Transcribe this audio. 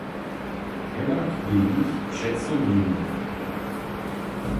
Hewak bě jich přeco mjenje.